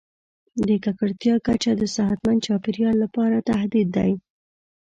د ککړتیا کچه د صحتمند چاپیریال لپاره تهدید دی.